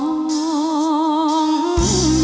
โภดเหลวเนี่ย